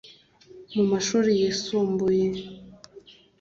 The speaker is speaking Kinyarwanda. mu mashuri yisumbuye